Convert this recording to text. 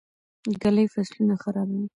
ږلۍ فصلونه خرابوي.